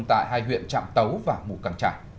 tại hai huyện trạm tấu và mũ căng trải